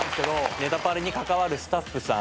『ネタパレ』に関わるスタッフさん。